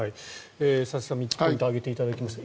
佐々木さん３つ、ポイントを挙げていただきました。